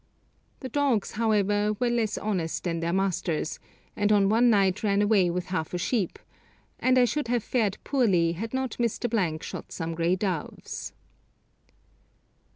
The dogs, however, were less honest than their masters, and on one night ran away with half a sheep, and I should have fared poorly had not Mr. shot some grey doves.